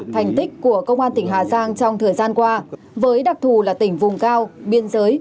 thành tích của công an tỉnh hà giang trong thời gian qua với đặc thù là tỉnh vùng cao biên giới